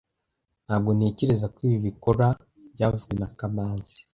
Ntabwo ntekereza ko ibi bikora byavuzwe na kamanzi